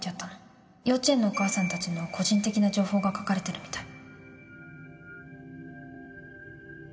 幼稚園のお母さんたちの個人的な情報が書かれてるみたい